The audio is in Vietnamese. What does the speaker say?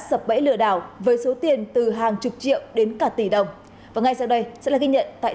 sập bẫy lừa đảo với số tiền từ hàng chục triệu đến cả tỷ đồng và ngay sau đây sẽ là ghi nhận tại